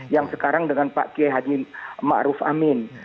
yang sekarang dengan pak kiai haji ma'ruf amin